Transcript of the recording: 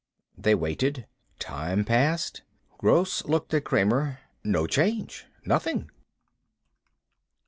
They waited. Time passed. Gross looked at Kramer. "No change. Nothing."